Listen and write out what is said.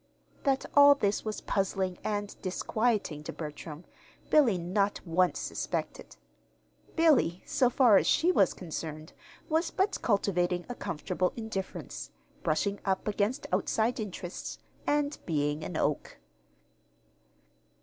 That all this was puzzling and disquieting to Bertram, Billy not once suspected. Billy, so far as she was concerned, was but cultivating a comfortable indifference, brushing up against outside interests, and being an oak.